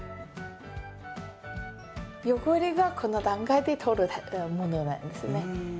汚れがこの段階で取れるものなんですね。